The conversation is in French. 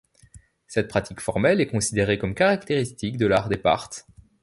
Cette pratique formelle est considérée comme caractéristique de l'art des Parthes.